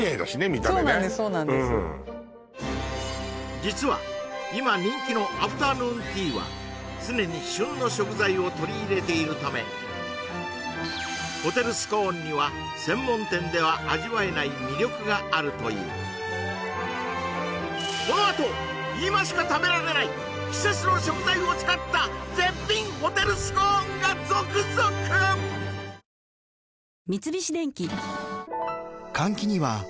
実は今人気のアフタヌーンティーは常に旬の食材を取り入れているためホテルスコーンには専門店では味わえない魅力があるというこのあと今しか食べられない季節の食材を使った絶品ホテルスコーンが続々ここからは小関さん